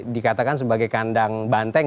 dikatakan sebagai kandang banteng